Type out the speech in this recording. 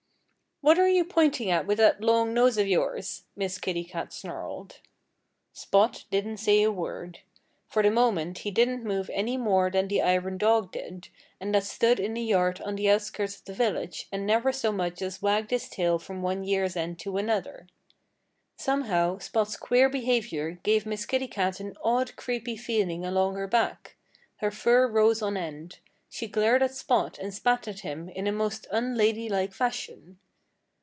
"What are you pointing at with that long nose of yours?" Miss Kitty Cat snarled. Spot didn't say a word. For the moment he didn't move any more than the iron dog did, that stood in a yard on the outskirts of the village and never so much as wagged his tail from one year's end to another. Somehow Spot's queer behavior gave Miss Kitty Cat an odd, creepy feeling along her back. Her fur rose on end. She glared at Spot and spat at him in a most unladylike fashion.